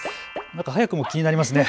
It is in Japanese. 早くも気になりますね。